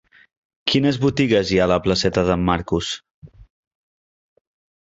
Quines botigues hi ha a la placeta d'en Marcús?